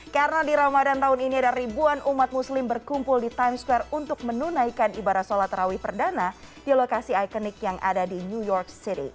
karena di ramadan tahun ini ada ribuan umat muslim berkumpul di times square untuk menunaikan ibarat sholat rawi perdana di lokasi ikonik yang ada di new york city